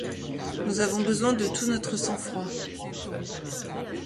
Nous avons besoin de tout notre sang-froid.